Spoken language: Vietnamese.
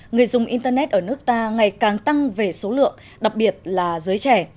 người dùng internet ở nước ta ngày càng tăng về số lượng đặc biệt là giới trẻ